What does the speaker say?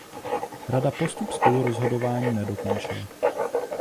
Rada postup spolurozhodování nedokončila.